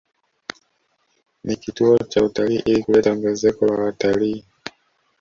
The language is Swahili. Ni kituo cha utalii ili kuleta ongezeko la wataliii